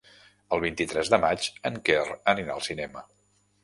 El vint-i-tres de maig en Quer anirà al cinema.